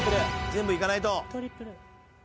全部いかないと。